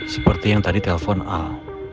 seperti yang tadi telpon al